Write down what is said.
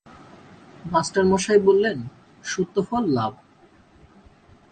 মাস্টারমশায় বললেন, সত্যফল-লাভ।